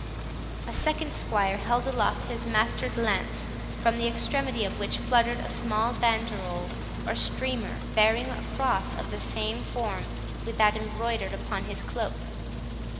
A second squire held aloft his master's lance, from the extremity of which fluttered a small banderole, or streamer, bearing a cross of the same form with that embroidered upon his cloak.